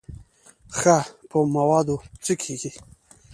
ښه په موادو څه کېږي.